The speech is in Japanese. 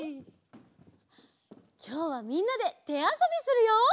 きょうはみんなでてあそびするよ！